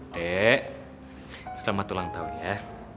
dek selamat ulang tahun ya